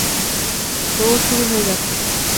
দৌড় শুরু হয়ে গেছে!